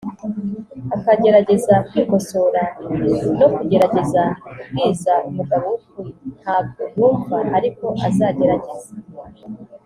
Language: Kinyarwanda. akagerageza kwikosora no kugerageza kubwiza umugabo we ukuri (ntabwo yumva ariko azagerageze)